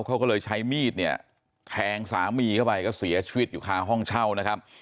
เขาก็เลยใช้มีดเนี่ยแทงสามีเข้าไปก็เสียชีวิตอยู่คาห้องเช่านะครับ